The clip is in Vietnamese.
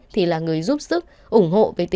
thì là người giúp sử dụng